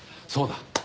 そうだ。